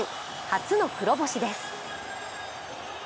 初の黒星です。